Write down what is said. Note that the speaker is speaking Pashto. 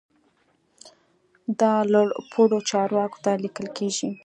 دا لوړ پوړو چارواکو ته لیکل کیږي.